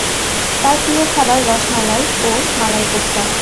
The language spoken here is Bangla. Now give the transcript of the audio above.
তার প্রিয় খাবার রস মালাই ও মালাই কোপ্তা।